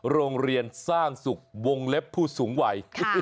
โรงเรียนสร้างสุขวงเล็บผู้สูงวัย